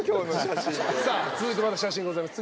続いてまだ写真ございます。